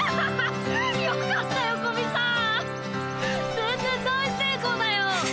宣伝大成功だよ！